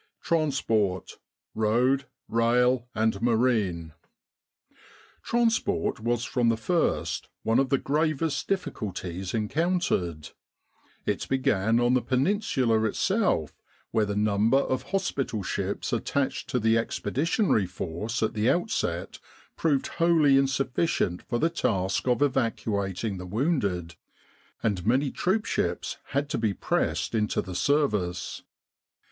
TRANSPORT : ROAD, RAIL, AND MARINE Transport was from the first one of the gravest difficulties encountered. It began on the Peninsula itself, where the number of hospital ships attached to the Expeditionary Force at the outset proved wholly insufficient for the task of evacuating the wounded, and many troopships had to be pressed into the service.